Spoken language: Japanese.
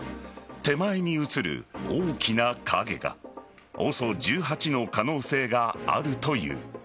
手前に写る大きな影がＯＳＯ１８の可能性があるという。